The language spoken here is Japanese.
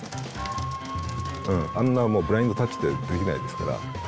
あんなブラインドタッチってできないですから。